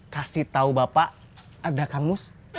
kasih tahu bapak ada kamus